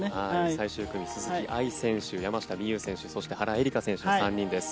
最終組、鈴木愛選手山下美夢有選手そして、原英莉花選手３人です。